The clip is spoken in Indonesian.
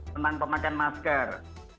tentang pemakaian masker